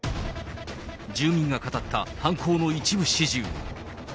住民が語った犯行の一部始終。